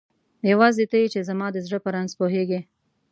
یواځی ته یی چی زما د زړه په رنځ پوهیږی